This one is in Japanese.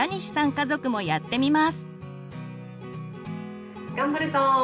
家族もやってみます！